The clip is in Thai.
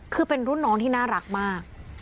คือเป็นรุ่นน้องที่น่ารักมาก